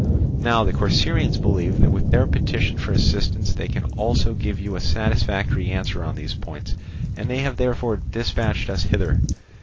Now the Corcyraeans believe that with their petition for assistance they can also give you a satisfactory answer on these points, and they have therefore dispatched us hither.